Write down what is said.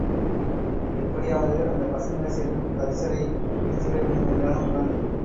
எப்படியாவது அந்தப் பசங்க செல்லும் பரிசலைப் பிடித்துவிட வேண்டும் என்றான் ஒருவன்.